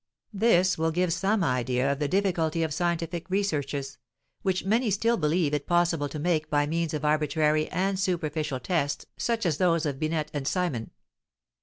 This will give some idea of the difficulty of scientific researches, which many still believe it possible to make by means of arbitrary and superficial tests such as those of Binet and Simon!